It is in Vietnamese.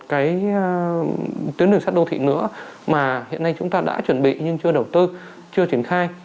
cái tuyến đường sắt đô thị nữa mà hiện nay chúng ta đã chuẩn bị nhưng chưa đầu tư chưa triển khai